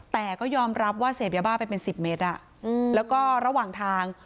แต่ก็ยอมรับว่าเสพยาบ้าไปเป็น๑๐เมตรแล้วก็ระหว่างทาง